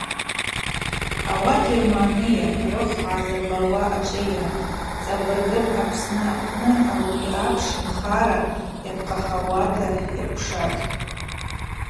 Ауат йырмагӏныйа, рыхв гӏазырбауа ачӏвыйа? – Цӏабыргыпӏ, Апсны апны ауи апш нхара йапхъахауата йакӏвшатӏ.